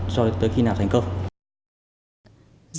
cho tới khi nào thành công